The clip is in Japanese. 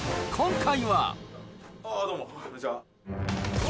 どうも、こんにちは。